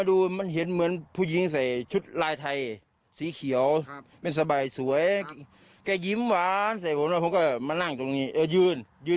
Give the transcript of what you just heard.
ดูเสียงน้องปุ๊บผมเดินมาดู